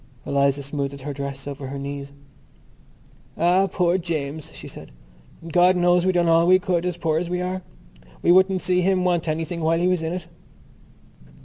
Eliza smoothed her dress over her knees. "Ah, poor James!" she said. "God knows we done all we could, as poor as we are—we wouldn't see him want anything while he was in it."